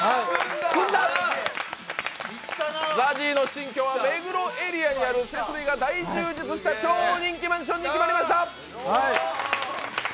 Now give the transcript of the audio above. ＺＡＺＹの新居は目黒エリアにある設備が大充実した超人気マンションに決まりました！